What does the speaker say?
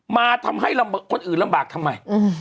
มาทำให้คนอื่นลำบากทำไม